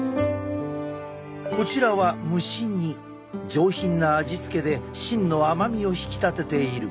上品な味付けで芯の甘みを引き立てている。